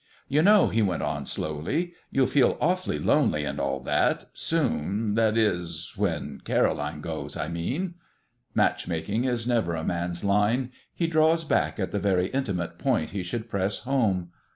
"You know," he went on slowly, "you'll feel awfully lonely and all that soon, that is when Caroline goes, I mean." Matchmaking is never a man's line; he draws back at the very intimate point he should press home.